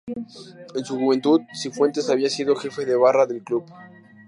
En su juventud, Cifuentes había sido jefe de barra del club.